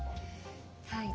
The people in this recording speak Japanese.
はい。